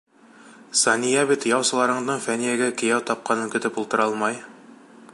Сания бит яусыларыңдың Фәниәгә кейәү тапҡанын көтөп ултыра алмай.